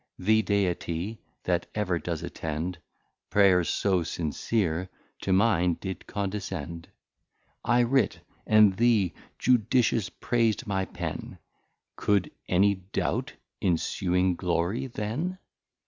The Deity that ever does attend Prayers so sincere, to mine did condescend. I writ, and the Judicious prais'd my Pen: Could any doubt Insuing Glory then?